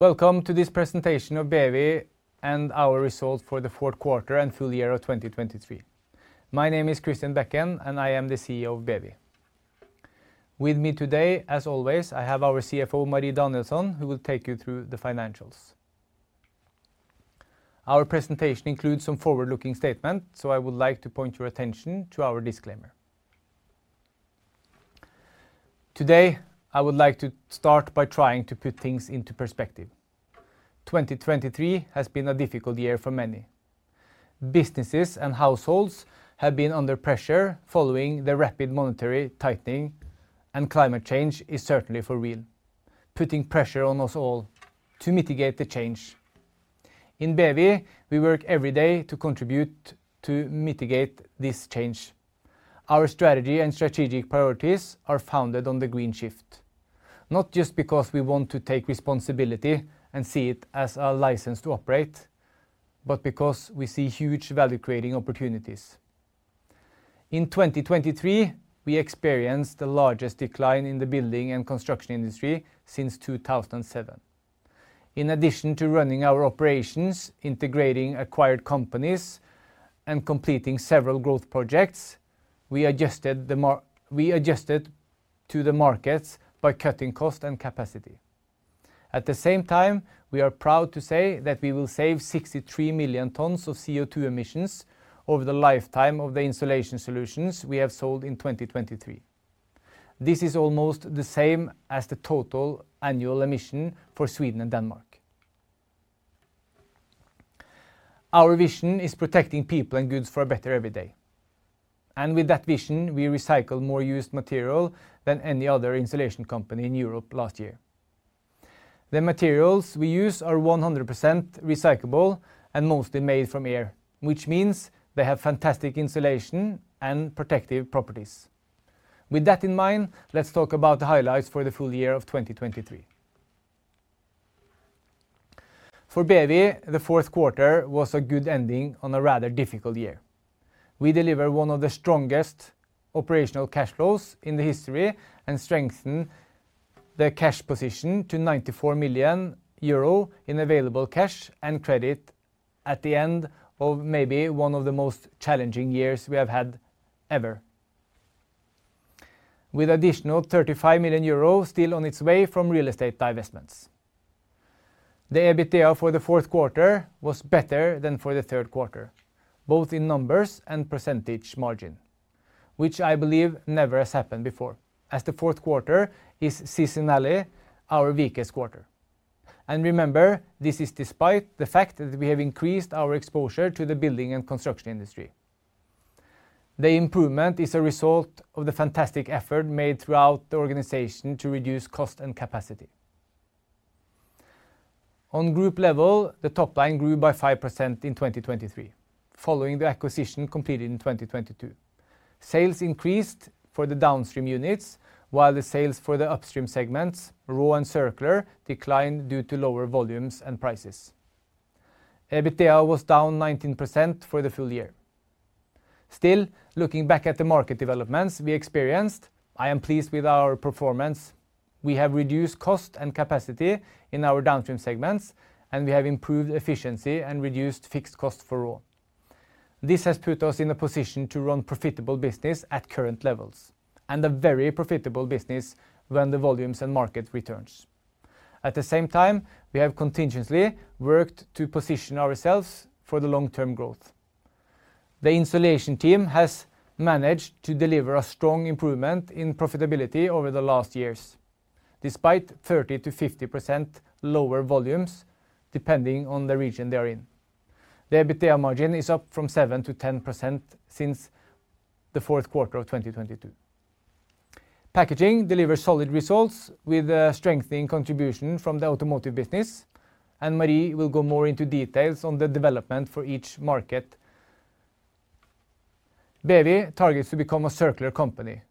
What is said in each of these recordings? Welcome to this presentation of BEWI and our results for the fourth quarter and full year of 2023. My name is Christian Bekken, and I am the CEO of BEWI. With me today, as always, I have our CFO, Marie Danielsson, who will take you through the financials. Our presentation includes some forward-looking statement, so I would like to point your attention to our disclaimer. Today, I would like to start by trying to put things into perspective. 2023 has been a difficult year for many. Businesses and households have been under pressure following the rapid monetary tightening, and climate change is certainly for real, putting pressure on us all to mitigate the change. In BEWI, we work every day to contribute to mitigate this change. Our strategy and strategic priorities are founded on the green shift. Not just because we want to take responsibility and see it as a license to operate, but because we see huge value-creating opportunities. In 2023, we experienced the largest decline in the building and construction industry since 2007. In addition to running our operations, integrating acquired companies, and completing several growth projects, we adjusted to the markets by cutting cost and capacity. At the same time, we are proud to say that we will save 63 million tons of CO2 emissions over the lifetime of the insulation solutions we have sold in 2023. This is almost the same as the total annual emission for Sweden and Denmark. Our vision is protecting people and goods for a better every day, and with that vision, we recycle more used material than any other insulation company in Europe last year. The materials we use are 100% recyclable and mostly made from air, which means they have fantastic insulation and protective properties. With that in mind, let's talk about the highlights for the full year of 2023. For BEWI, the fourth quarter was a good ending on a rather difficult year. We deliver one of the strongest operational cash flows in the history and strengthen the cash position to 94 million euro in available cash and credit at the end of maybe one of the most challenging years we have had ever, with additional 35 million euros still on its way from real estate divestments. The EBITDA for the fourth quarter was better than for the third quarter, both in numbers and percentage margin, which I believe never has happened before, as the fourth quarter is seasonally our weakest quarter. Remember, this is despite the fact that we have increased our exposure to the building and construction industry. The improvement is a result of the fantastic effort made throughout the organization to reduce cost and capacity. On group level, the top line grew by 5% in 2023, following the acquisition completed in 2022. Sales increased for the downstream units, while the sales for the upstream segments, RAW and Circular, declined due to lower volumes and prices. EBITDA was down 19% for the full year. Still, looking back at the market developments we experienced, I am pleased with our performance. We have reduced cost and capacity in our downstream segments, and we have improved efficiency and reduced fixed cost for RAW. This has put us in a position to run profitable business at current levels, and a very profitable business when the volumes and market returns. At the same time, we have continuously worked to position ourselves for the long-term growth. The insulation team has managed to deliver a strong improvement in profitability over the last years, despite 30%-50% lower volumes, depending on the region they are in. The EBITDA margin is up from 7%-10% since the fourth quarter of 2022. Packaging delivers solid results with a strengthening contribution from the automotive business, and Marie will go more into details on the development for each market. BEWI targets to become a circular company,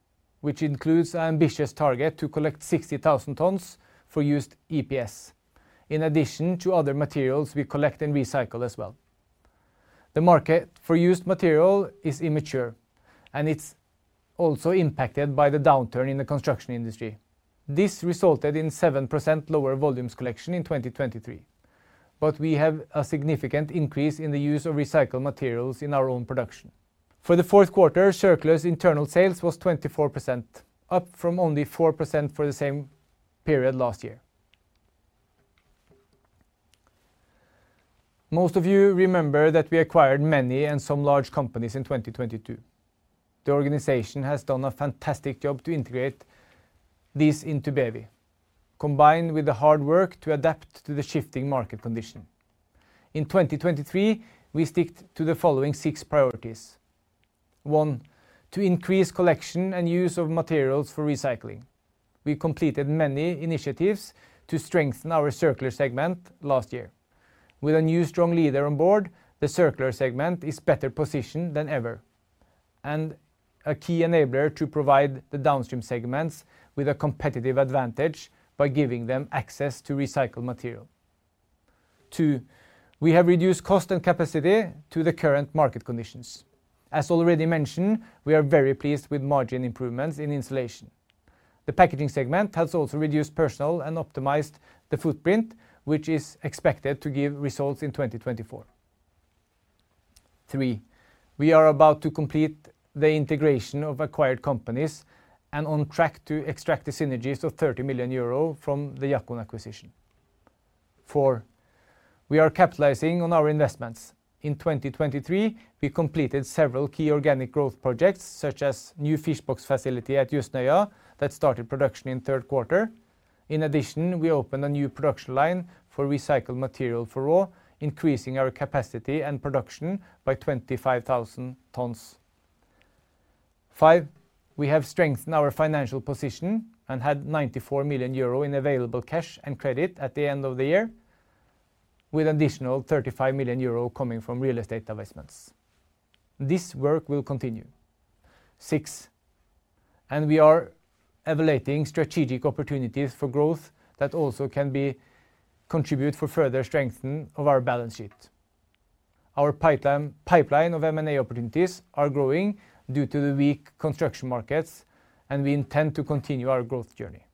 which includes an ambitious target to collect 60,000 tons for used EPS, in addition to other materials we collect and recycle as well. The market for used material is immature, and it's also impacted by the downturn in the construction industry. This resulted in 7% lower volumes collection in 2023, but we have a significant increase in the use of recycled materials in our own production. For the fourth quarter, Circular's internal sales was 24%, up from only 4% for the same period last year. Most of you remember that we acquired many and some large companies in 2022. The organization has done a fantastic job to integrate this into BEWI, combined with the hard work to adapt to the shifting market condition. In 2023, we sticked to the following six priorities. One, to increase collection and use of materials for recycling. We completed many initiatives to strengthen our circular segment last year. With a new strong leader on board, the circular segment is better positioned than ever, and a key enabler to provide the downstream segments with a competitive advantage by giving them access to recycled material. Two, we have reduced cost and capacity to the current market conditions. As already mentioned, we are very pleased with margin improvements in insulation. The packaging segment has also reduced personnel and optimized the footprint, which is expected to give results in 2024. Three, we are about to complete the integration of acquired companies and on track to extract the synergies of 30 million euro from the Jackon acquisition. Four, we are capitalizing on our investments. In 2023, we completed several key organic growth projects, such as new fish box facility at Jøsnøya, that started production in third quarter. In addition, we opened a new production line for recycled material for RAW, increasing our capacity and production by 25,000 tons. Five, we have strengthened our financial position and had 94 million euro in available cash and credit at the end of the year, with additional 35 million euro coming from real estate dinvestments. This work will continue. Six, and we are evaluating strategic opportunities for growth that also can be contribute for further strengthen of our balance sheet. Our pipeline of M&A opportunities are growing due to the weak construction markets, and we intend to continue our growth journey.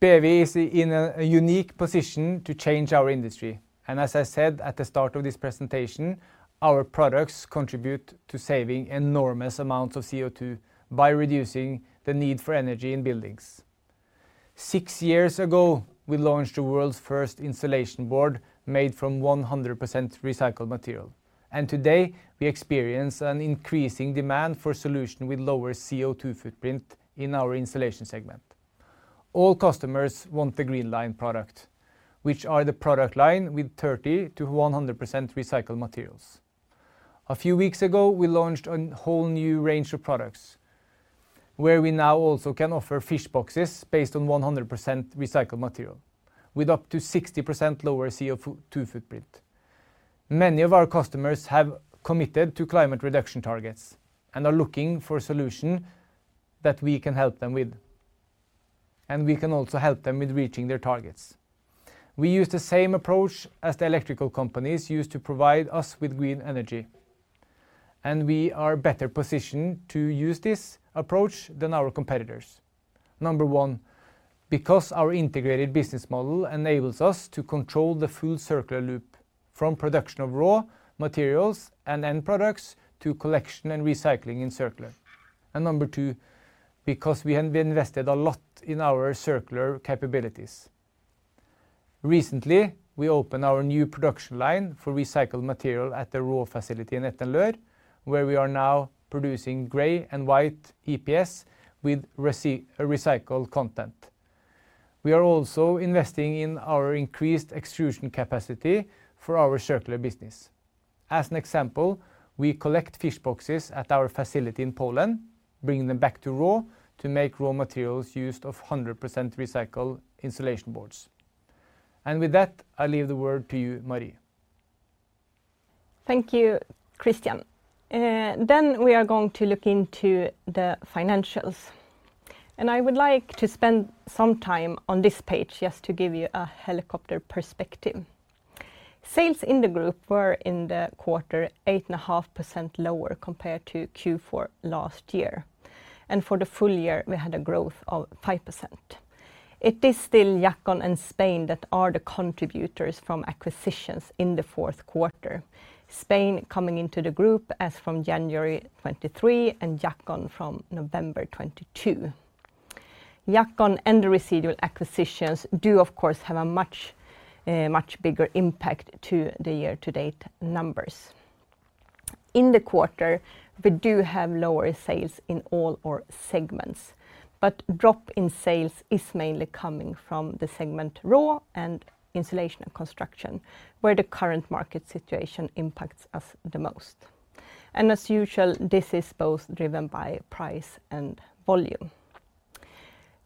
BEWI is in a unique position to change our industry, and as I said at the start of this presentation, our products contribute to saving enormous amounts of CO2 by reducing the need for energy in buildings. Six years ago, we launched the world's first insulation board made from 100% recycled material, and today we experience an increasing demand for solution with lower CO2 footprint in our insulation segment. All customers want the GreenLine product, which are the product line with 30%-100% recycled materials. A few weeks ago, we launched a whole new range of products, where we now also can offer fish boxes based on 100% recycled material, with up to 60% lower CO2 footprint. Many of our customers have committed to climate reduction targets and are looking for a solution that we can help them with, and we can also help them with reaching their targets. We use the same approach as the electrical companies use to provide us with green energy, and we are better positioned to use this approach than our competitors. Number one, because our integrated business model enables us to control the full circular loop from production of raw materials and end products to collection and recycling in circular. And number two, because we have invested a lot in our circular capabilities. Recently, we opened our new production line for recycled material at the raw facility in Etten-Leur, where we are now producing gray and white EPS with recycled content. We are also investing in our increased extrusion capacity for our circular business. As an example, we collect fish boxes at our facility in Poland, bringing them back to RAW to make raw materials used of 100% recycled insulation boards. And with that, I leave the word to you, Marie. Thank you, Christian. Then we are going to look into the financials, and I would like to spend some time on this page just to give you a helicopter perspective. Sales in the group were in the quarter 8.5% lower compared to Q4 last year, and for the full year, we had a growth of 5%. It is still Jackon and Spain that are the contributors from acquisitions in the fourth quarter. Spain coming into the group as from January 2023, and Jackon from November 2022. Jackon and the residual acquisitions do, of course, have a much, much bigger impact to the year-to-date numbers. In the quarter, we do have lower sales in all our segments, but drop in sales is mainly coming from the segment RAW and Insulation and Construction, where the current market situation impacts us the most. As usual, this is both driven by price and volume.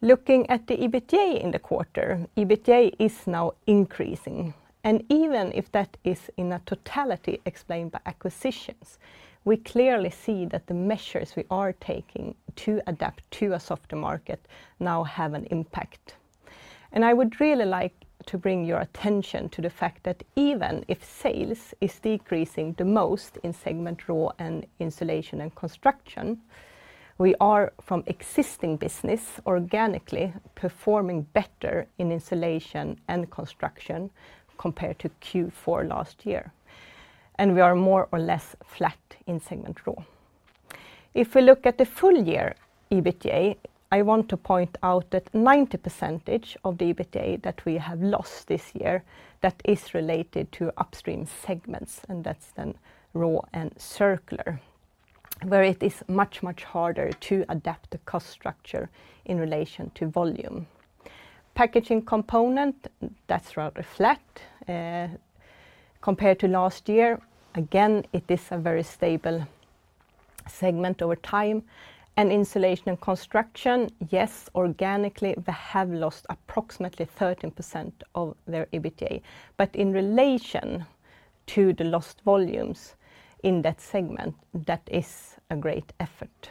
Looking at the EBITDA in the quarter, EBITDA is now increasing, and even if that is in a totality explained by acquisitions, we clearly see that the measures we are taking to adapt to a softer market now have an impact. I would really like to bring your attention to the fact that even if sales is decreasing the most in segment RAW and Insulation and Construction, we are, from existing business, organically performing better in Insulation and Construction compared to Q4 last year, and we are more or less flat in segment RAW. If we look at the full year EBITDA, I want to point out that 90% of the EBITDA that we have lost this year, that is related to upstream segments, and that's then RAW and Circular, where it is much, much harder to adapt the cost structure in relation to volume. Packaging component, that's rather flat, compared to last year. Again, it is a very stable segment over time, and Insulation and Construction, yes, organically, they have lost approximately 13% of their EBITDA, but in relation to the lost volumes in that segment, that is a great effort.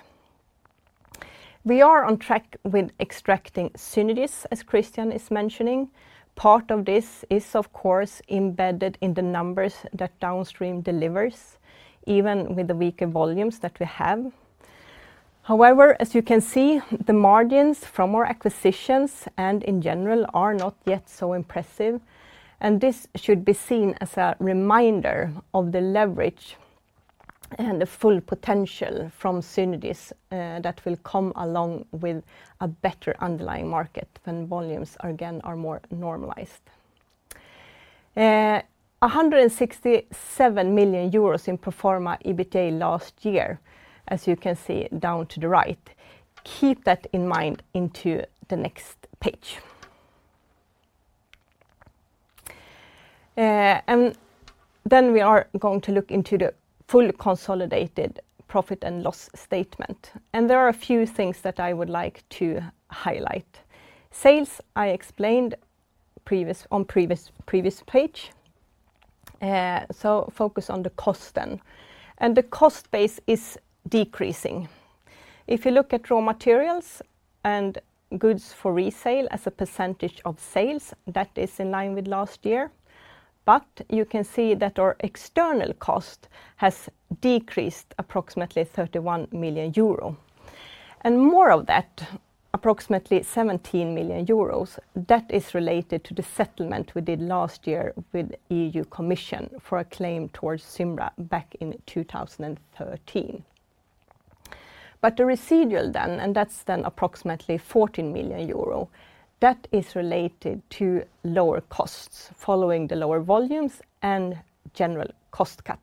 We are on track with extracting synergies, as Christian is mentioning. Part of this is, of course, embedded in the numbers that downstream delivers, even with the weaker volumes that we have. However, as you can see, the margins from our acquisitions and in general are not yet so impressive, and this should be seen as a reminder of the leverage and the full potential from synergies that will come along with a better underlying market when volumes are again more normalized. EUR 167 million in pro forma EBITA last year, as you can see down to the right. Keep that in mind into the next page. Then we are going to look into the full consolidated profit and loss statement, and there are a few things that I would like to highlight. Sales, I explained on previous page, so focus on the cost then. The cost base is decreasing. If you look at raw materials and goods for resale as a percentage of sales, that is in line with last year, but you can see that our external cost has decreased approximately 31 million euro. And more of that, approximately 17 million euros, that is related to the settlement we did last year with EU Commission for a claim towards Synbra back in 2013. But the residual then, and that's then approximately 14 million euro, that is related to lower costs following the lower volumes and general cost cut.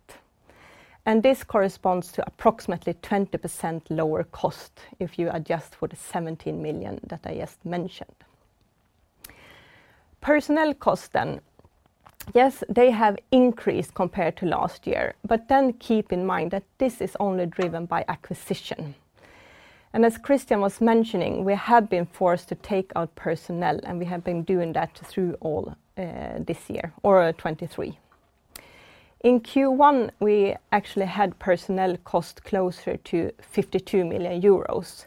And this corresponds to approximately 20% lower cost if you adjust for the 17 million that I just mentioned. Personnel cost then, yes, they have increased compared to last year, but then keep in mind that this is only driven by acquisition. As Christian was mentioning, we have been forced to take out personnel, and we have been doing that through all, this year or 2023. In Q1, we actually had personnel cost closer to 52 million euros,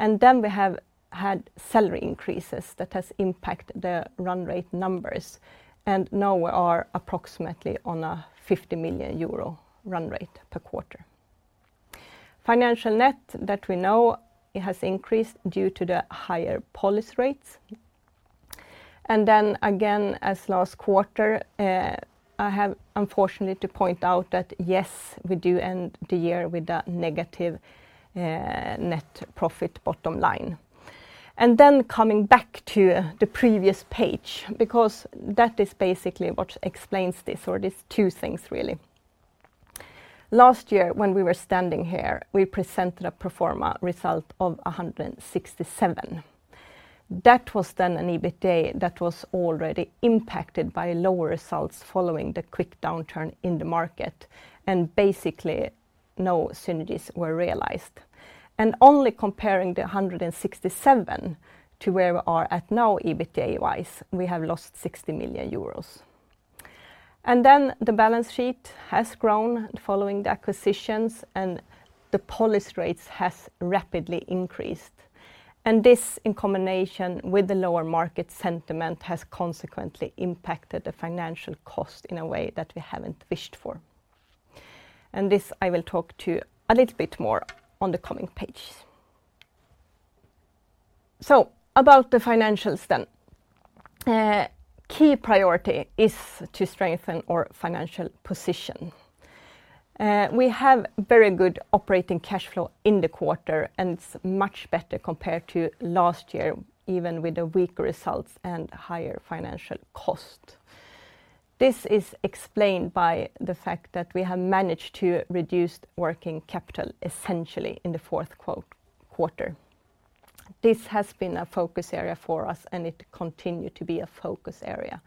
and then we have had salary increases that has impacted the run rate numbers, and now we are approximately on a 50 million euro run rate per quarter. Financial net that we know it has increased due to the higher policy rates. And then again, as last quarter, I have unfortunately to point out that, yes, we do end the year with a negative, net profit bottom line. And then coming back to the previous page, because that is basically what explains this, or these two things really. Last year, when we were standing here, we presented a pro forma result of 167 million. That was then an EBITA that was already impacted by lower results following the quick downturn in the market, and basically, no synergies were realized. Only comparing the 167 million to where we are at now, EBITA-wise, we have lost 60 million euros. The balance sheet has grown following the acquisitions, and the policy rates has rapidly increased. This, in combination with the lower market sentiment, has consequently impacted the financial cost in a way that we haven't wished for. This, I will talk to a little bit more on the coming page. About the financials then. Key priority is to strengthen our financial position. We have very good operating cash flow in the quarter, and it's much better compared to last year, even with the weaker results and higher financial cost. This is explained by the fact that we have managed to reduce working capital, essentially in the fourth quarter. This has been a focus area for us, and it continue to be a focus area.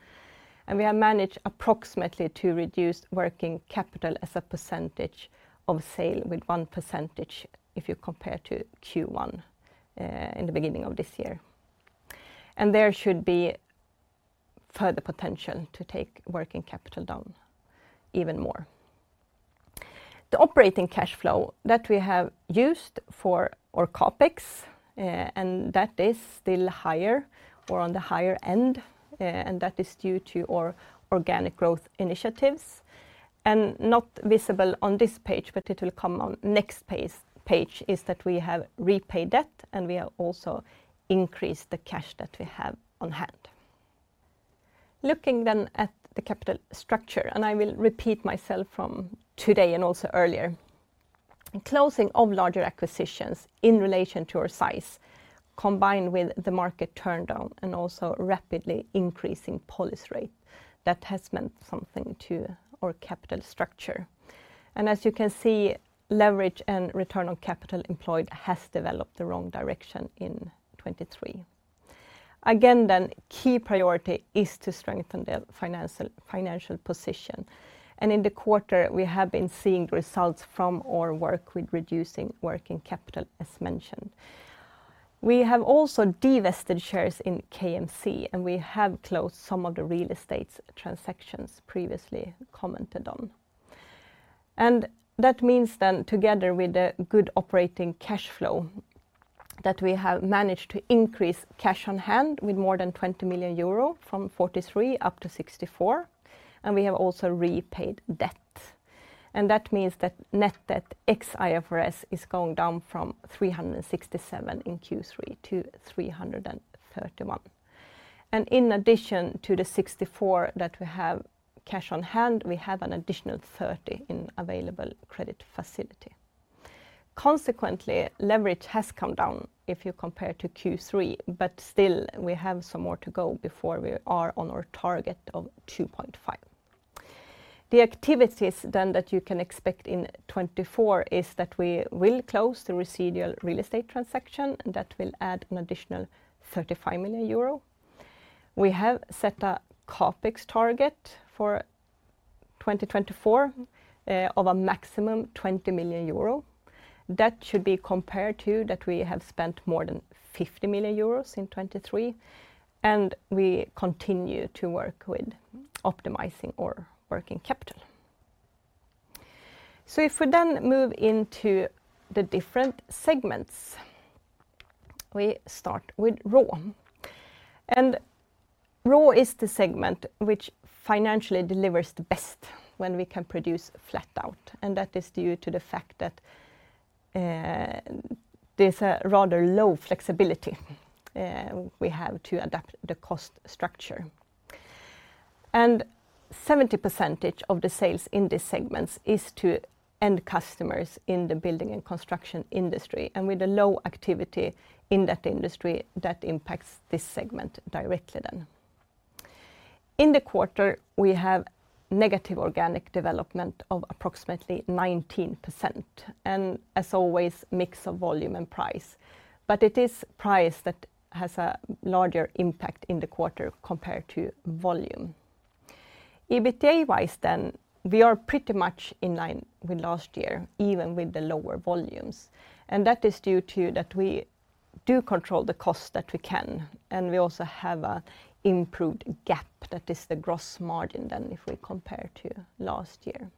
We have managed approximately to reduce working capital as a percentage of sale with 1%, if you compare to Q1, in the beginning of this year. There should be further potential to take working capital down even more. The operating cash flow that we have used for our CapEx, and that is still higher or on the higher end, and that is due to our organic growth initiatives. Not visible on this page, but it will come on next page, is that we have repaid debt, and we have also increased the cash that we have on hand. Looking then at the capital structure, and I will repeat myself from today and also earlier, closing of larger acquisitions in relation to our size, combined with the market turndown and also rapidly increasing policy rate, that has meant something to our capital structure. As you can see, leverage and return on capital employed has developed the wrong direction in 2023. Again, then, key priority is to strengthen the financial, financial position, and in the quarter, we have been seeing results from our work with reducing working capital, as mentioned. We have also divested shares in KMC, and we have closed some of the real estate transactions previously commented on. That means then together with the good operating cash flow, that we have managed to increase cash on hand with more than 20 million euro, from 43 million up to 64 million, and we have also repaid debt. That means that net debt ex IFRS is going down from 367 in Q3 to 331. In addition to the 64 million that we have cash on hand, we have an additional 30 million in available credit facility. Consequently, leverage has come down if you compare to Q3, but still, we have some more to go before we are on our target of 2.5. The activities then that you can expect in 2024 is that we will close the residual real estate transaction, and that will add an additional 35 million euro. We have set a CapEx target for 2024 of a maximum 20 million euro. That should be compared to that we have spent more than 50 million euros in 2023, and we continue to work with optimizing our working capital. So if we then move into the different segments, we start with RAW. RAW is the segment which financially delivers the best when we can produce flat out, and that is due to the fact that there's a rather low flexibility, we have to adapt the cost structure. 70% of the sales in this segments is to end customers in the building and construction industry, and with the low activity in that industry, that impacts this segment directly then. In the quarter, we have negative organic development of approximately 19%, and as always, mix of volume and price, but it is price that has a larger impact in the quarter compared to volume. EBITDA-wise then, we are pretty much in line with last year, even with the lower volumes, and that is due to that we do control the cost that we can, and we also have a improved gap that is the gross margin than if we compare to last year.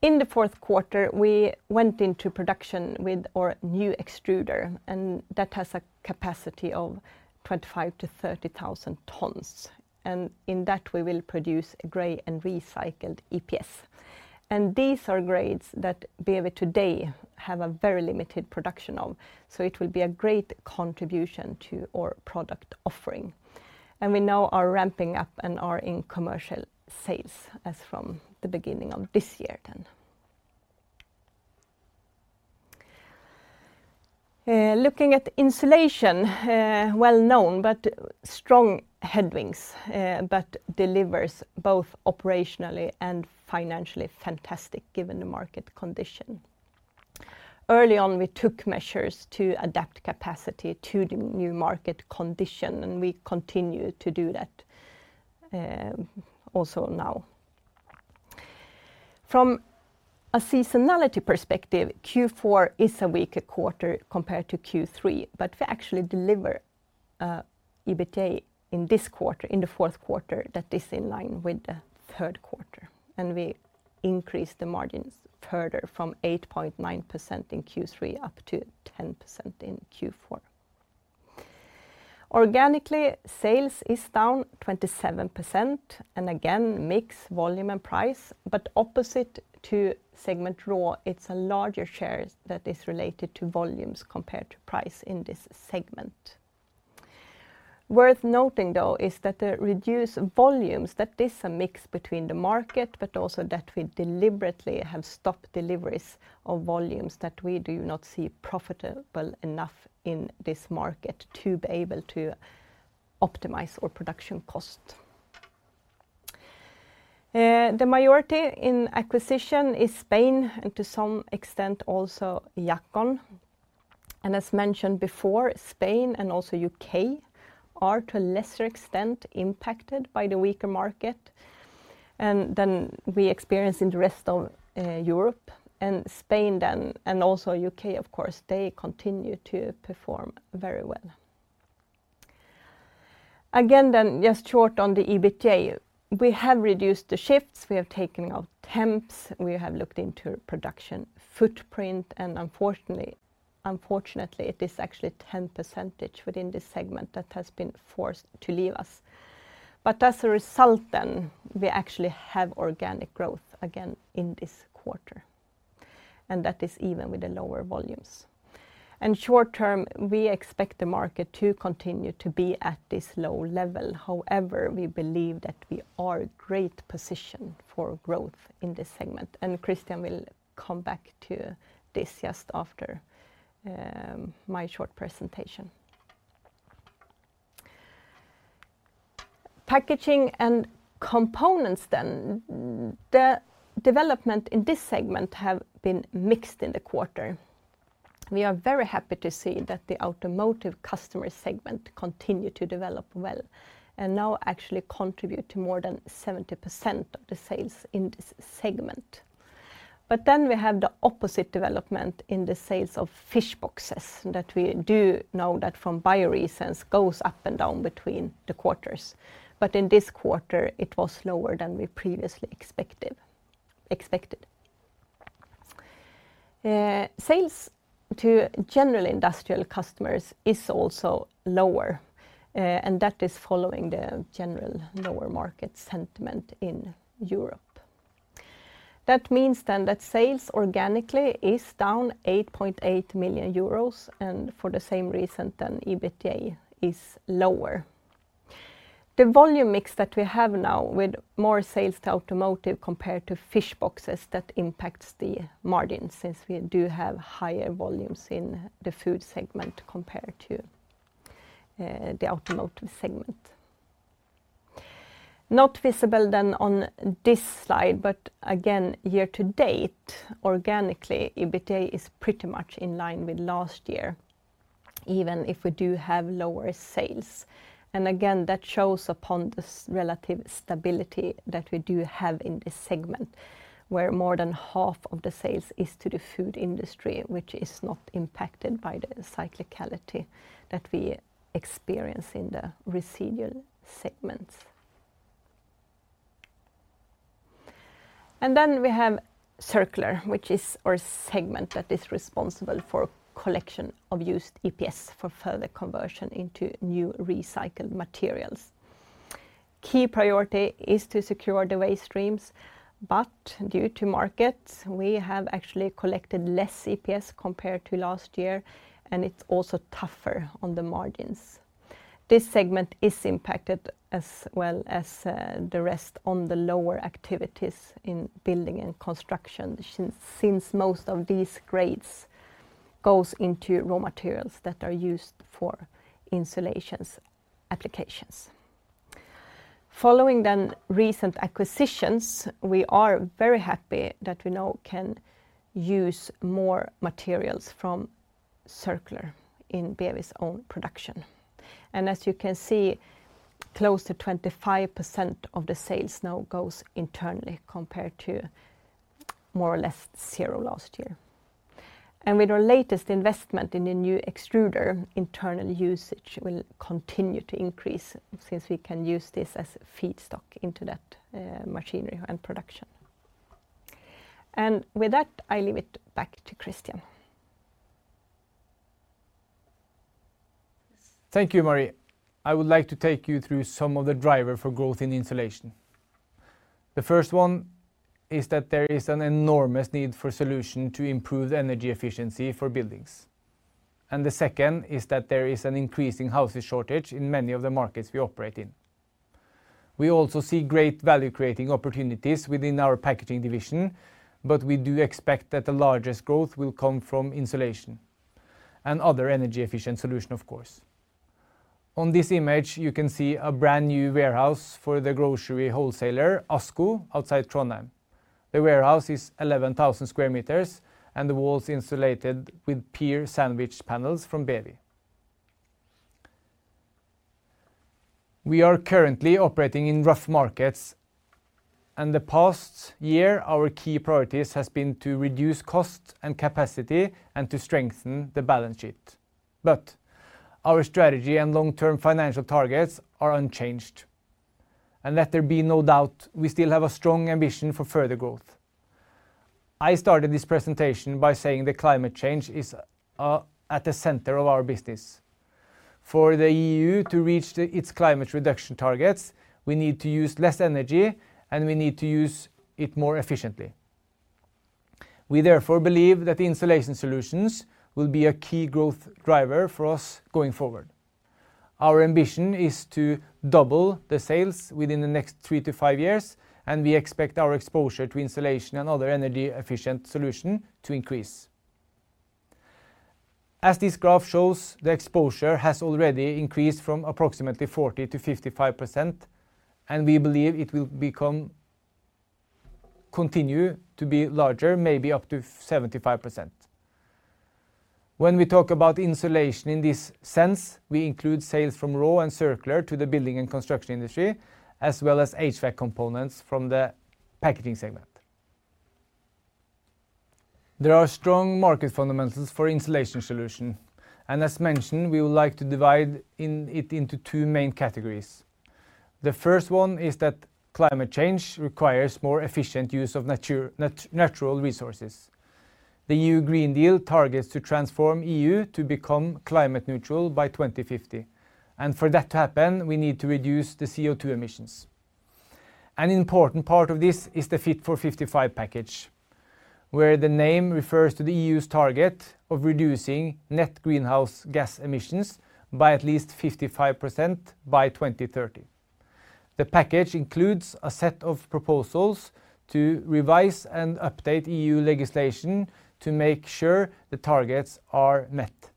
In the fourth quarter, we went into production with our new extruder, and that has a capacity of 25,000-30,000 tons, and in that, we will produce gray and recycled EPS. These are grades that BEWI today have a very limited production of, so it will be a great contribution to our product offering. We now are ramping up and are in commercial sales as from the beginning of this year then. Looking at insulation, well known, but strong headwinds, but delivers both operationally and financially fantastic, given the market condition. Early on, we took measures to adapt capacity to the new market condition, and we continue to do that, also now. From a seasonality perspective, Q4 is a weaker quarter compared to Q3, but we actually deliver EBITDA in this quarter, in the fourth quarter, that is in line with the third quarter, and we increase the margins further from 8.9% in Q3 up to 10% in Q4. Organically, sales is down 27%, and again, mix volume and price, but opposite to segment RAW, it's a larger share that is related to volumes compared to price in this segment. Worth noting, though, is that the reduced volumes, that is a mix between the market, but also that we deliberately have stopped deliveries of volumes that we do not see profitable enough in this market to be able to optimize our production cost. The majority in acquisition is Spain, and to some extent, also Jackon. And as mentioned before, Spain and also U.K. are, to a lesser extent, impacted by the weaker market, and than we experience in the rest of Europe, and Spain then, and also U.K., of course, they continue to perform very well. Again, then, just short on the EBITDA, we have reduced the shifts, we have taken out temps, we have looked into production footprint, and unfortunately, unfortunately, it is actually 10% within this segment that has been forced to leave us. But as a result then, we actually have organic growth again in this quarter, and that is even with the lower volumes. And short term, we expect the market to continue to be at this low level. However, we believe that we are in great position for growth in this segment, and Christian will come back to this just after my short presentation. Packaging and Components then. The development in this segment have been mixed in the quarter. We are very happy to see that the automotive customer segment continue to develop well, and now actually contribute to more than 70% of the sales in this segment. But then we have the opposite development in the sales of fish boxes, that we do know that from bio-reasons goes up and down between the quarters. But in this quarter, it was lower than we previously expected. Sales to general industrial customers is also lower, and that is following the general lower market sentiment in Europe. That means then that sales organically is down 8.8 million euros, and for the same reason, then EBITDA is lower. The volume mix that we have now, with more sales to automotive compared to fish boxes, that impacts the margin, since we do have higher volumes in the food segment compared to the automotive segment. Not visible then on this slide, but again, year to date, organically, EBITDA is pretty much in line with last year, even if we do have lower sales. And again, that shows the relative stability that we do have in this segment, where more than half of the sales is to the food industry, which is not impacted by the cyclicality that we experience in the residual segments. And then we have Circular, which is our segment that is responsible for collection of used EPS for further conversion into new recycled materials. Key priority is to secure the waste streams, but due to markets, we have actually collected less EPS compared to last year, and it's also tougher on the margins. This segment is impacted as well as the rest by the lower activities in building and construction, since most of these grades go into raw materials that are used for insulation applications. Following the recent acquisitions, we are very happy that we now can use more materials from Circular in BEWI's own production. And as you can see, close to 25% of the sales now goes internally compared to more or less zero last year. And with our latest investment in the new extruder, internal usage will continue to increase since we can use this as feedstock into that, machinery and production. And with that, I leave it back to Christian. Thank you, Marie. I would like to take you through some of the driver for growth in insulation. The first one is that there is an enormous need for solution to improve energy efficiency for buildings. The second is that there is an increasing housing shortage in many of the markets we operate in. We also see great value-creating opportunities within our packaging division, but we do expect that the largest growth will come from insulation and other energy-efficient solution, of course. On this image, you can see a brand-new warehouse for the grocery wholesaler, ASKO, outside Trondheim. The warehouse is 11,000 sq m, and the walls insulated with PIR sandwich panels from BEWI. We are currently operating in rough markets, and the past year, our key priorities has been to reduce cost and capacity and to strengthen the balance sheet. But our strategy and long-term financial targets are unchanged. And let there be no doubt, we still have a strong ambition for further growth. I started this presentation by saying that climate change is at the center of our business. For the EU to reach its climate reduction targets, we need to use less energy, and we need to use it more efficiently. We therefore believe that insulation solutions will be a key growth driver for us going forward. Our ambition is to double the sales within the next three to five years, and we expect our exposure to insulation and other energy-efficient solution to increase. As this graph shows, the exposure has already increased from approximately 40%-55%, and we believe it will continue to be larger, maybe up to 75%. When we talk about insulation in this sense, we include sales from RAW and Circular to the building and construction industry, as well as HVAC components from the packaging segment. There are strong market fundamentals for insulation solution, and as mentioned, we would like to divide it into two main categories. The first one is that climate change requires more efficient use of natural resources. The EU Green Deal targets to transform EU to become climate neutral by 2050, and for that to happen, we need to reduce the CO2 emissions. An important part of this is the Fit for 55 package, where the name refers to the EU's target of reducing net greenhouse gas emissions by at least 55% by 2030. The package includes a set of proposals to revise and update EU legislation to make sure the targets are met.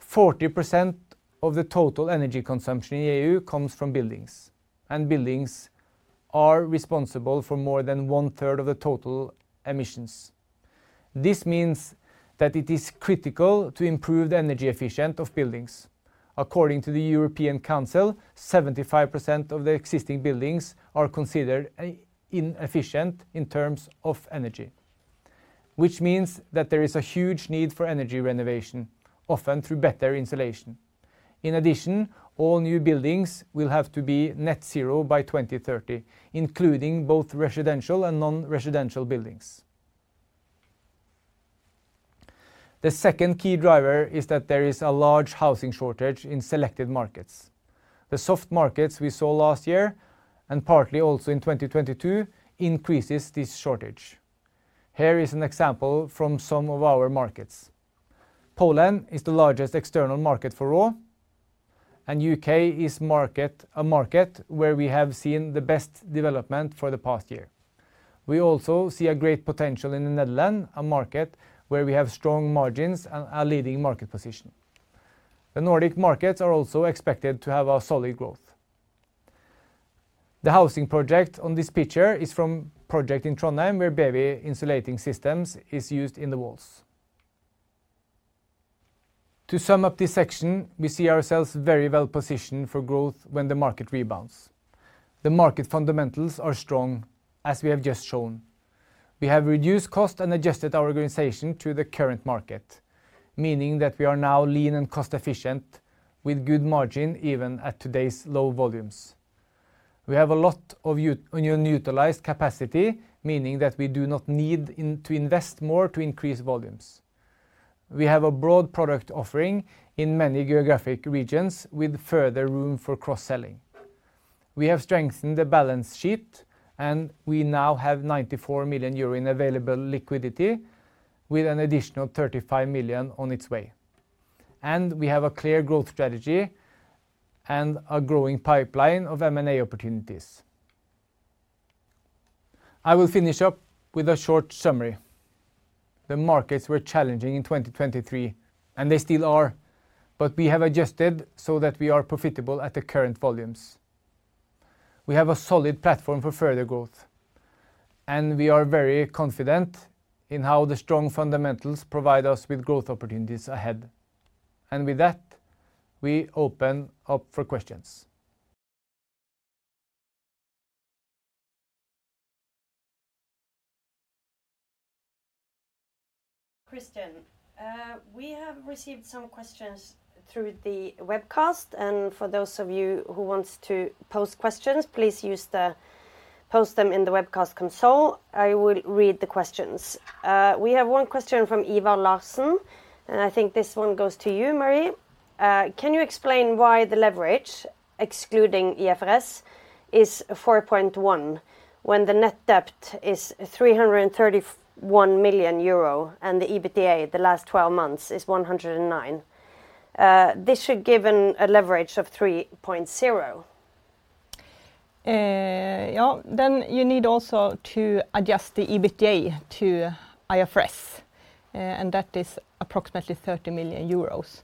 40% of the total energy consumption in EU comes from buildings, and buildings are responsible for more than one-third of the total emissions. This means that it is critical to improve the energy efficiency of buildings. According to the European Council, 75% of the existing buildings are considered inefficient in terms of energy, which means that there is a huge need for energy renovation, often through better insulation. In addition, all new buildings will have to be net zero by 2030, including both residential and non-residential buildings. The second key driver is that there is a large housing shortage in selected markets. The soft markets we saw last year, and partly also in 2022, increases this shortage. Here is an example from some of our markets. Poland is the largest external market for RAW, and U.K. is a market where we have seen the best development for the past year. We also see a great potential in the Netherlands, a market where we have strong margins and a leading market position. The Nordic markets are also expected to have a solid growth. The housing project on this picture is from a project in Trondheim, where BEWI insulation systems are used in the walls. To sum up this section, we see ourselves very well positioned for growth when the market rebounds. The market fundamentals are strong, as we have just shown. We have reduced costs and adjusted our organization to the current market, meaning that we are now lean and cost efficient, with good margins, even at today's low volumes. We have a lot of unutilized capacity, meaning that we do not need in to invest more to increase volumes. We have a broad product offering in many geographic regions, with further room for cross-selling. We have strengthened the balance sheet, and we now have 94 million euro in available liquidity, with an additional 35 million on its way. We have a clear growth strategy and a growing pipeline of M&A opportunities. I will finish up with a short summary. The markets were challenging in 2023, and they still are, but we have adjusted so that we are profitable at the current volumes. We have a solid platform for further growth, and we are very confident in how the strong fundamentals provide us with growth opportunities ahead. With that, we open up for questions. Christian, we have received some questions through the webcast, and for those of you who wants to post questions, please use the... Post them in the webcast console. I will read the questions. We have one question from Eva Larsson, and I think this one goes to you, Marie. "Can you explain why the leverage, excluding IFRS, is 4.1 when the net debt is 331 million euro and the EBITDA, the last twelve months, is 109 million? This should given a leverage of 3.0." Yeah, then you need also to adjust the EBITDA to IFRS, and that is approximately 30 million euros.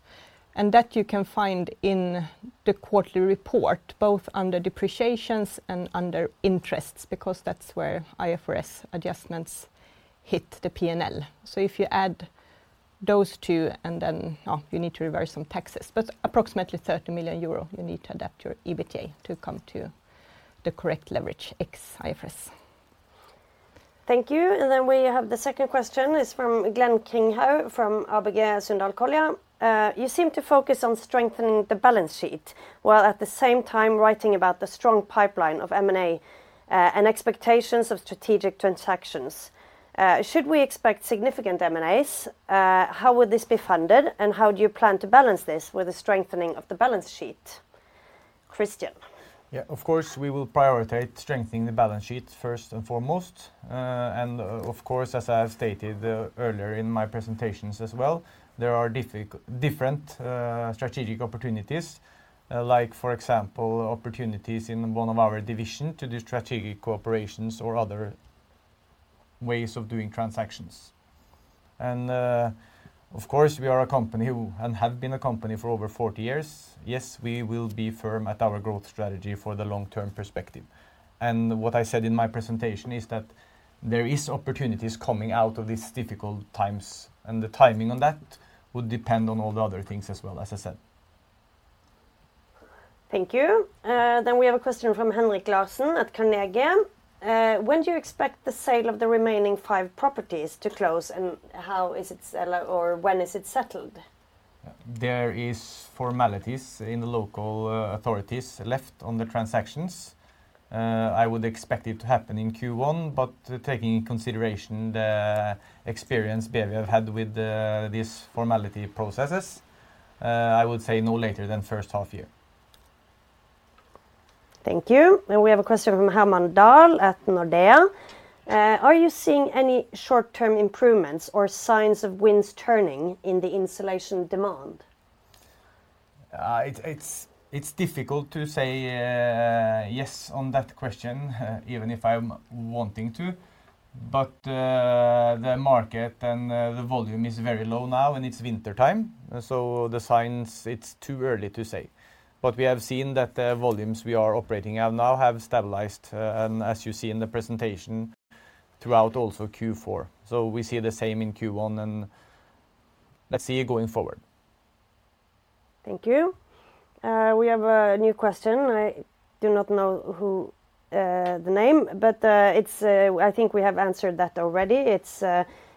And that you can find in the quarterly report, both under depreciation and under interest, because that's where IFRS adjustments hit the P&L. So if you add those two, and then, you need to reverse some taxes, but approximately 30 million euro, you need to adapt your EBITDA to come to the correct leverage, ex IFRS. Thank you. And then we have the second question is from Glenn Kringhaug, from ABG Sundal Collier. "You seem to focus on strengthening the balance sheet, while at the same time writing about the strong pipeline of M&A, and expectations of strategic transactions. Should we expect significant M&As? How would this be funded, and how do you plan to balance this with the strengthening of the balance sheet?" Christian? Yeah, of course, we will prioritize strengthening the balance sheet first and foremost. And of course, as I have stated earlier in my presentations as well, there are different strategic opportunities, like for example, opportunities in one of our division to do strategic cooperations or other ways of doing transactions. And of course, we are a company who, and have been a company for over 40 years. Yes, we will be firm at our growth strategy for the long-term perspective. And what I said in my presentation is that there is opportunities coming out of these difficult times, and the timing on that would depend on all the other things as well, as I said. Thank you. Then we have a question from Henrik Larsen at Carnegie. "When do you expect the sale of the remaining five properties to close, and how is it or when is it settled?" There is formalities in the local authorities left on the transactions. I would expect it to happen in Q1, but taking in consideration the experience BEWI have had with these formality processes, I would say no later than first half year. Thank you. And we have a question from Herman Dahl at Nordea. "Are you seeing any short-term improvements or signs of winds turning in the insulation demand?" It's difficult to say yes on that question, even if I'm wanting to. But the market and the volume is very low now, and it's wintertime, so the signs, it's too early to say. But we have seen that the volumes we are operating at now have stabilized, and as you see in the presentation, throughout also Q4. So we see the same in Q1, and let's see going forward. Thank you. We have a new question. I do not know who the name, but it's I think we have answered that already. It's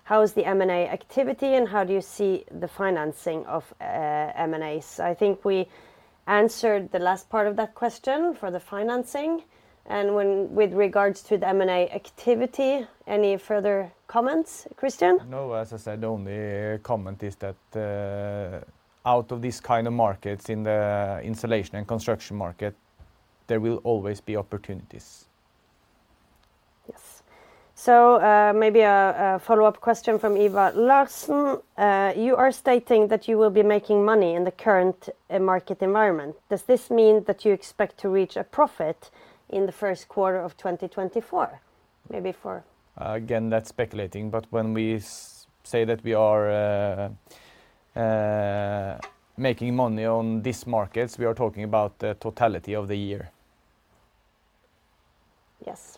how is the M&A activity, and how do you see the financing of M&As? I think we answered the last part of that question for the financing, and when with regards to the M&A activity, any further comments, Christian? No. As I said, the only comment is that out of these kind of markets, in the insulation and construction market, there will always be opportunities. Yes. So, maybe a follow-up question from Eva Larsson. "You are stating that you will be making money in the current market environment. Does this mean that you expect to reach a profit in the first quarter of 2024?" Maybe for- Again, that's speculating, but when we say that we are making money on these markets, we are talking about the totality of the year. Yes.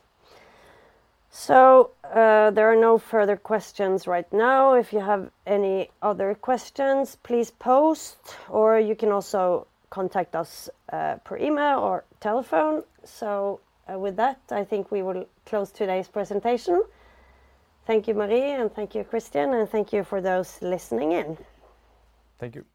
So, there are no further questions right now. If you have any other questions, please post, or you can also contact us, per email or telephone. So with that, I think we will close today's presentation. Thank you, Marie, and thank you, Christian, and thank you for those listening in. Thank you. Thank you!